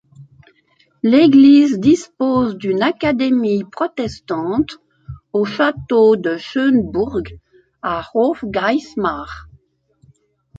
L'église dispose d'une académie protestante au château de Schoenburg à Hofgeismar.